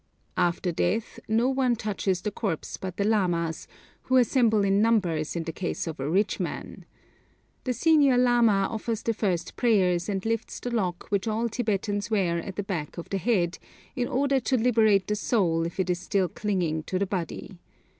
After death no one touches the corpse but the lamas, who assemble in numbers in the case of a rich man. The senior lama offers the first prayers, and lifts the lock which all Tibetans wear at the back of the head, in order to liberate the soul if it is still clinging to the body.